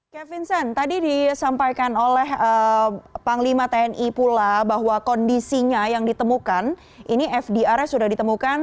kevin sen tadi disampaikan oleh panglima tni pula bahwa kondisinya yang ditemukan ini fdr nya sudah ditemukan